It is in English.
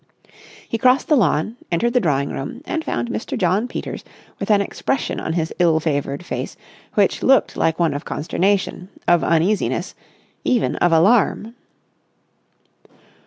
He crossed the lawn, entered the drawing room, and found Mr. Jno. Peters with an expression on his ill favoured face, which looked like one of consternation, of uneasiness, even of alarm.